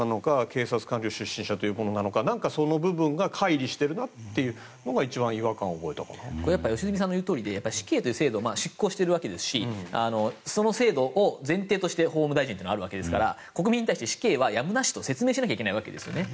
警察官僚出身者というものなのかその部分がかい離しているなっていうのが良純さんの言うとおりで死刑という制度を執行しているわけですしその制度を前提として法務大臣があるわけですから国民に対して死刑はやむなしと説明しなきゃいけないんですね。